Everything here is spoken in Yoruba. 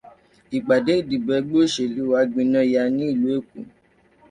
Ìpàdé ìdìbò ẹgbẹ́ òṣèlú wa ń gbìnàyá ní ìlú Èkó.